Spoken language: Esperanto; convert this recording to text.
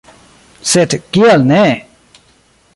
Sed kial ne?